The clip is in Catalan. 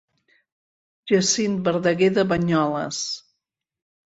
Jacint Verdaguer de Banyoles.